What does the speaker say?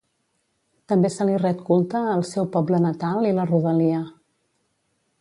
També se li ret culte al seu poble natal i la rodalia.